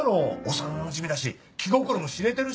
幼なじみだし気心も知れてるし！